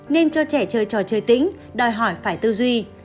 nên cho trẻ chơi trò chơi tĩnh đòi hỏi phải tư duy